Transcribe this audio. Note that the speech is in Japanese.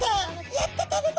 やった食べた！